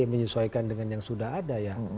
menyesuaikan dengan yang sudah ada ya